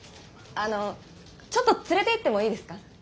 あのちょっと連れていってもいいですか？